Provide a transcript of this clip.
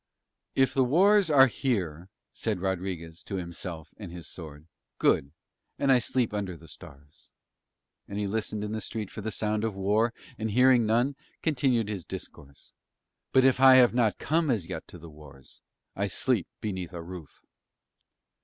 "If the wars are here," said Rodriguez to himself and his sword, "good, and I sleep under the stars." And he listened in the street for the sound of war and, hearing none, continued his discourse. "But if I have not come as yet to the wars I sleep beneath a roof."